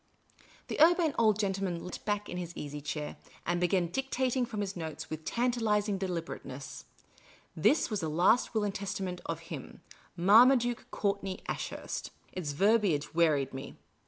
The Urbane Old Gentleman leant back in his easy chair, and began dictating from his notes with tantalising deliber ateness. This was the last will and testament of him, Marmaduke Courtney Ashurst. Its verbiage wearied me.